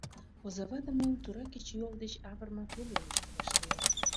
Озавате мыйым тура кечыйол деч авырыме пӧлемыште вашлие.